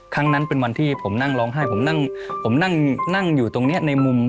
ครั้งนั้นเป็นวันที่ผมนั่งร้องไห้ผมนั่งผมนั่งนั่งอยู่ตรงเนี้ยในมุม